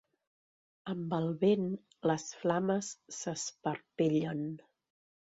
Amb el vent, les flames s'esparpellen.